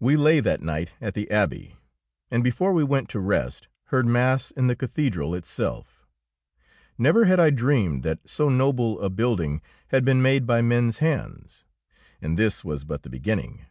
We lay that night at the Abbey, and before we went to rest heard mass in the cathedral itself. Never had I dreamed that so noble a building had been made by men's hands. And this was but the beginning.